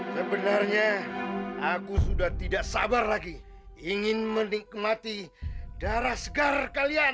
sebenarnya aku sudah tidak sabar lagi ingin menikmati darah segar kalian